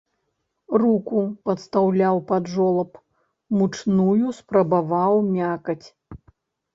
Руку падстаўляў пад жолаб, мучную спрабаваў мякаць.